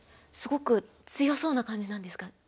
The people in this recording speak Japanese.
すごく強そうな感じなんですか？